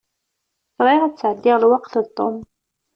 Bɣiɣ ad sεeddiɣ lweqt d Tom.